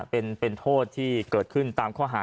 ปอล์กับโรเบิร์ตหน่อยไหมครับ